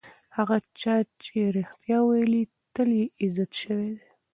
هغه چا چې رښتیا ویلي، تل یې عزت شوی دی.